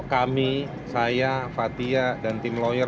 kami saya fathia dan tim lawyer